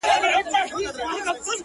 بيا د تورو سترګو و بلا ته مخامخ يمه!